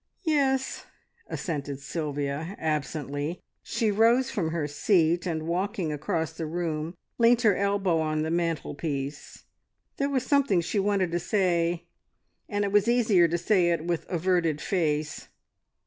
"Yes," assented Sylvia absently. She rose from her seat and, walking across the room, leant her elbow on the mantelpiece. There was something she wanted to say, and it was easier to say it with averted face.